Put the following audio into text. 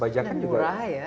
dan murah ya